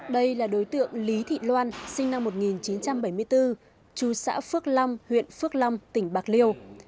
đây là đối tượng lý thị loan sinh năm một nghìn chín trăm bảy mươi bốn chú xã phước long huyện phước long tỉnh bạc liêu